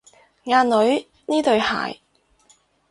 阿女，呢對鞋